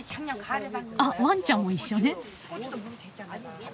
あっワンちゃんも一緒ね。